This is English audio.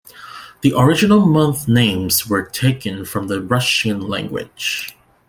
The original month names were taken from the Russian language.